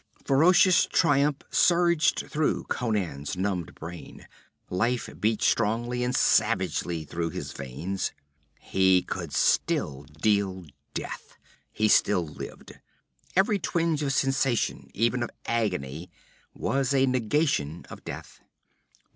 Ferocious triumph surged through Conan's numbed brain. Life beat strongly and savagely through his veins. He could still deal death; he still lived. Every twinge of sensation, even of agony, was a negation of death.